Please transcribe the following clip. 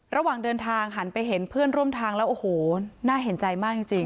ระหว่างเดินทางหันไปเห็นเพื่อนร่วมทางแล้วโอ้โหน่าเห็นใจมากจริง